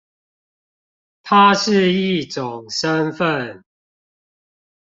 它是一種身分